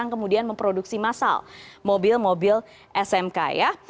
yang kemudian memproduksi masal mobil mobil smk ya